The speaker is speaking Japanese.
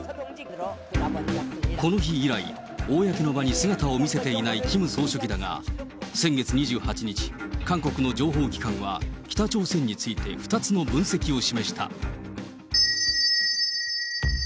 この日以来、公の場に姿を見せていないキム総書記だが、先月２８日、韓国の情報機関は北朝鮮について、２つの分析を示した。